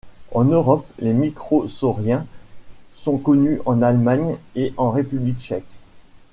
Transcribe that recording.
En Europe, les microsauriens sont connus en Allemagne et en République tchèque.